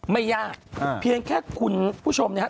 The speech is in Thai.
ไม่ยากเพียงแค่คุณผู้ชมเนี่ยฮะ